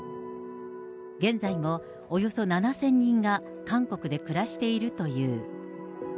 現在もおよそ７０００人が韓国で暮らしているという。